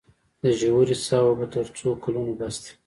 د ژورې څاه اوبه تر څو کلونو بس دي؟